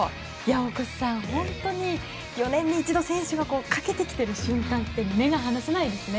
大越さん、本当に４年に一度選手がかけてきている瞬間って目が離せないですね。